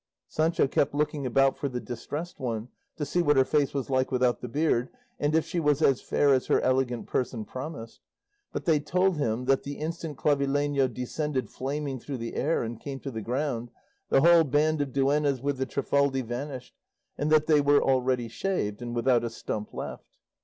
Sancho kept looking about for the Distressed One, to see what her face was like without the beard, and if she was as fair as her elegant person promised; but they told him that, the instant Clavileño descended flaming through the air and came to the ground, the whole band of duennas with the Trifaldi vanished, and that they were already shaved and without a stump left.